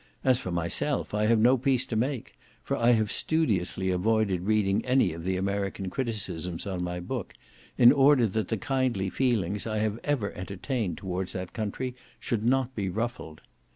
As for myself, I have no peace to make; for I have studiously avoided reading any of the American criticisms on my book, in order that the kindly feelings I have ever entertained towards that country should not be ruffled.